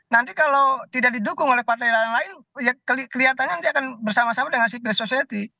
nanti kalau tidak didukung oleh partai lain ya kelihatannya nanti akan bersama sama dengan civil society